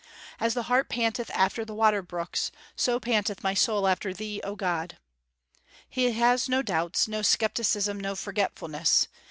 "As the hart panteth after the water brooks, so panteth my soul after Thee, O God!" He has no doubts, no scepticism, no forgetfulness.